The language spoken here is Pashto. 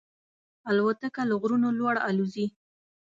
الوتکه له غرونو لوړ الوزي.